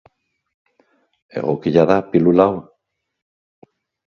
Egokia da pilula hau?